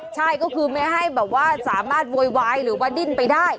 ใช่ก็คือไม่ให้แบบว่าสามารถโวยวายหรือว่าดิ้นไปได้